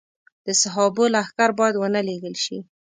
د صحابو لښکر باید ونه لېږل شي.